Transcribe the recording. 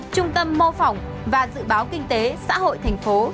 trung tâm mô phỏng và dự báo kinh tế xã hội thành phố